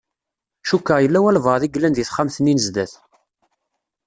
Cukkeɣ yella walebɛaḍ i yellan di texxamt-nni n zdat.